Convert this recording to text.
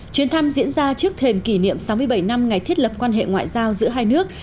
chuyến thăm diễn ra trước thềm kỷ niệm sáu mươi bảy năm ngày thiết lập quan hệ ngoại giao giữa hai nước